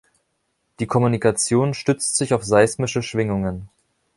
Die Kommunikation stützt sich auf seismische Schwingungen.